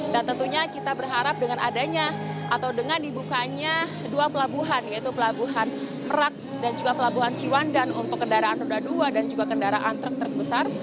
dan tentunya kita berharap dengan adanya atau dengan dibukanya dua pelabuhan yaitu pelabuhan merak dan juga pelabuhan ciwandan untuk kendaraan roda dua dan juga kendaraan truk besar